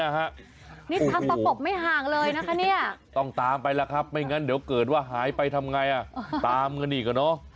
นี่ทำประปบไม่ห่างเลยนะคะเนี่ย